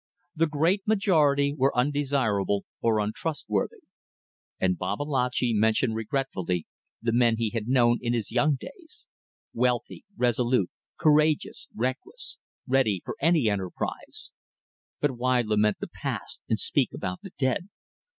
The great majority were undesirable or untrustworthy. And Babalatchi mentioned regretfully the men he had known in his young days: wealthy, resolute, courageous, reckless, ready for any enterprise! But why lament the past and speak about the dead?